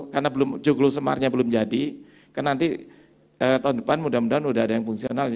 karena joglo semar nya belum jadi karena nanti tahun depan mudah mudahan sudah ada yang fungsional